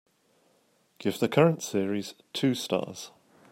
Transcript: Give the current series two stars.